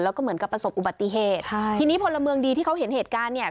แล้วก็เหมือนกับประสบอุบัติเหตุใช่ทีนี้พลเมืองดีที่เขาเห็นเหตุการณ์เนี่ย